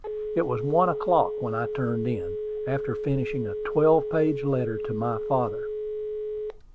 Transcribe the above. It was one o'clock when I turned in, after finishing a twelve page letter to my father.